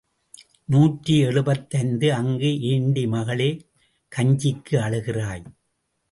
நூற்றி எழுபத்தைந்து அங்கு ஏண்டி மகளே, கஞ்சிக்கு அழுகிறாய்?